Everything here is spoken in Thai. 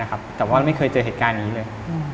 แต่ว่าไม่เคยเจอเหตุการณ์นี้เลย